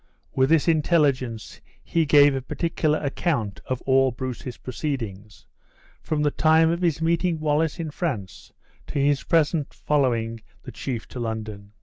With this intelligence, he gave a particular account of all Bruce's proceedings, from the time of his meeting Wallace in France, to his present following the chief to London.